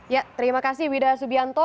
ya terima kasih wida subianto